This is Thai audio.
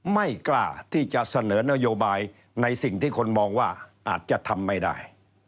ไม่กล้าที่จะเสนอนโยบายในสิ่งที่คนมองว่าอาจจะทำไม่ได้